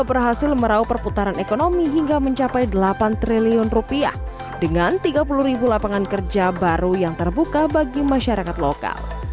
berhasil merauh perputaran ekonomi hingga mencapai delapan triliun rupiah dengan tiga puluh ribu lapangan kerja baru yang terbuka bagi masyarakat lokal